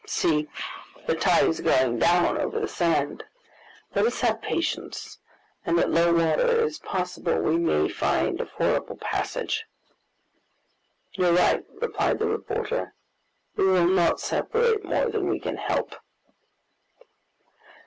See, the tide is going down over the sand. Let us have patience, and at low water it is possible we may find a fordable passage." "You are right," replied the reporter, "we will not separate more than we can help."